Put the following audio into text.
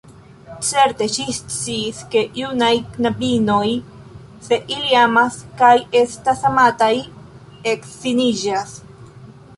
Certe, ŝi sciis; ke junaj knabinoj, se ili amas kaj estas amataj, edziniĝas.